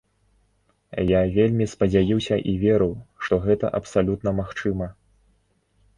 Я вельмі спадзяюся і веру, што гэта абсалютна магчыма.